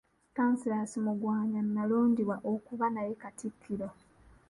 Stanislas Mugwanya n'alondebwa okuba naye Katikkiro.